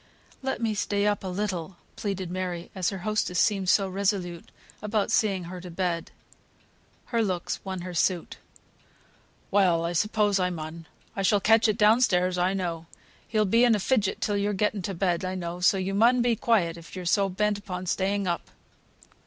"Let me stay up a little," pleaded Mary, as her hostess seemed so resolute about seeing her to bed. Her looks won her suit. "Well, I suppose I mun. I shall catch it down stairs, I know. He'll be in a fidget till you're getten to bed, I know; so you mun be quiet if you are so bent upon staying up."